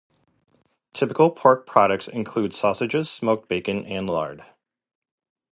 Typical pork products include sausages, smoked bacon, and lard.